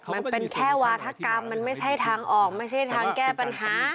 มันเป็นแค่วาธกรรมมันไม่ใช่ทางออกไม่ใช่ทางแก้ปัญหา